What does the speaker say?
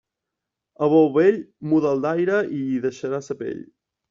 A bou vell, muda'l d'aire i hi deixarà sa pell.